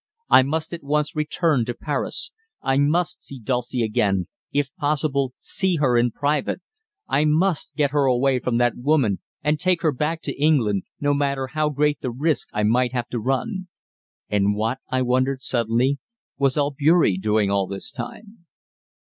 I must at once return to Paris. I must see Dulcie again if possible, see her in private. I must get her away from that woman and take her back to England, no matter how great the risk I might have to run. And what, I wondered suddenly, was Albeury doing all this time?